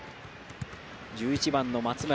１１番の松村。